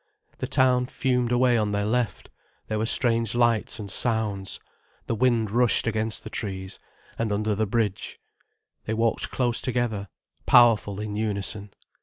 The town fumed away on their left, there were strange lights and sounds, the wind rushed against the trees, and under the bridge. They walked close together, powerful in unison.